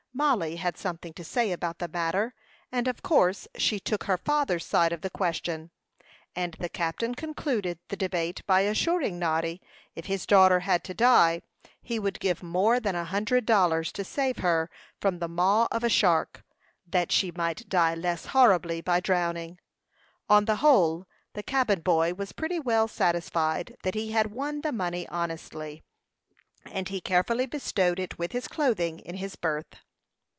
Mollie had something to say about the matter, and of course she took her father's side of the question; and the captain concluded the debate by assuring Noddy, if his daughter had to die, he would give more than a hundred dollars to save her from the maw of a shark, that she might die less horribly by drowning. On the whole, the cabin boy was pretty well satisfied that he had won the money honestly, and he carefully bestowed it with his clothing in his berth.